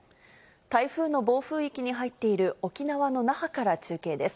台風の暴風域に入っている沖縄の那覇から中継です。